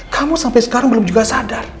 kamu sampai sekarang belum juga sadar